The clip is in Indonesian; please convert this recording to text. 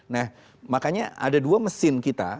nah makanya ada dua mesin kita